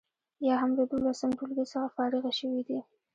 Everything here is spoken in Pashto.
یا هم له دولسم ټولګي څخه فارغې شوي دي.